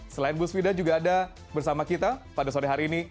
selain bu svida juga ada bersama kita pada sore hari ini